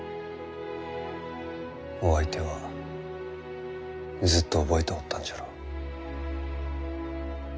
お相手はずっと覚えておったんじゃろう。